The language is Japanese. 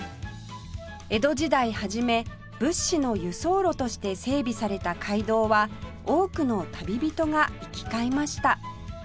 江戸時代初め物資の輸送路として整備された街道は多くの旅人が行き交いました